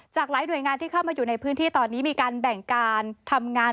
หลายหน่วยงานที่เข้ามาอยู่ในพื้นที่ตอนนี้มีการแบ่งการทำงาน